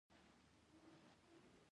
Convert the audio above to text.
پیاز د کباب سره ښه خوري